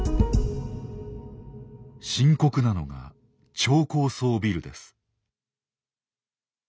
深刻なのが超高層ビルです。